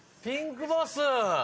ピンクボス。